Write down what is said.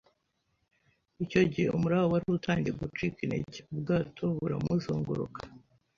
Icyo gihe umuraba wari utangiye gucika intege, ubwato buramuzunguruka